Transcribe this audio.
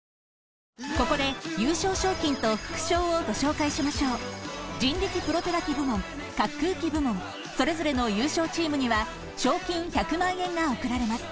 ここで優勝賞金と副賞をご紹介しましょう人力プロペラ機部門・滑空機部門それぞれの優勝チームには賞金１００万円が贈られます